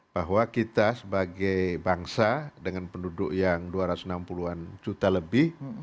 bahwa kita sebagai bangsa dengan penduduk yang dua ratus enam puluh an juta lebih